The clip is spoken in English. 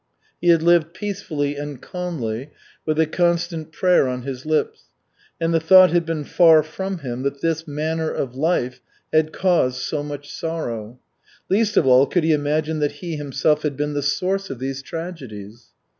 He had lived peacefully and calmly, with a constant prayer on his lips, and the thought had been far from him that this manner of life had caused so much sorrow. Least of all could he imagine that he himself had been the source of these tragedies.